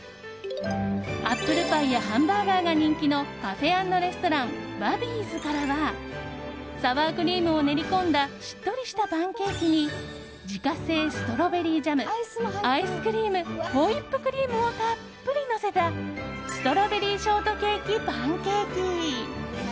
アップルパイやハンバーガーが人気のカフェ＆レストランバビーズからはサワークリームを練り込んだしっとりしたパンケーキに自家製ストロベリージャムアイスクリームホイップクリームをたっぷりのせたストロベリーショートケーキパンケーキ。